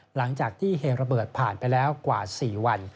หลังจากที่เหตุระเบิดผ่านไปแล้วกว่า๔วัน